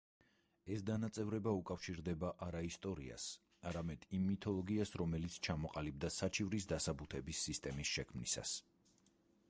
ეს დანაწევრება უკავშირდება არა ისტორიას, არამედ იმ მითოლოგიას, რომელიც ჩამოყალიბდა საჩივრის დასაბუთების სისტემის შექმნისას.